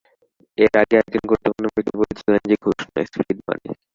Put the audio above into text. এর আগে একজন গুরুত্বপূর্ণ ব্যক্তি বলেছিলেন যে ঘুষ নয়, স্পিড মানি।